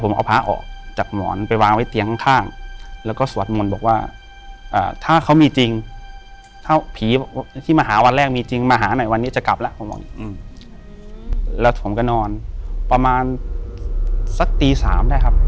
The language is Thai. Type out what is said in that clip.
มีเรื่องกันแล้วก็มายิงตัวตาย